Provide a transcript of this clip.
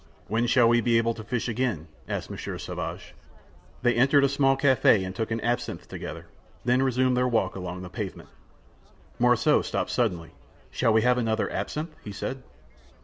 "When shall we be able to fish again?" asked Monsieur Sauvage. They entered a small cafe and took an absinthe together, then resumed their walk along the pavement. Morissot stopped suddenly. "Shall we have another absinthe?" he said.